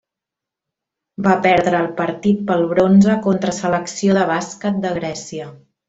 Va perdre el partit pel bronze contra Selecció de bàsquet de Grècia.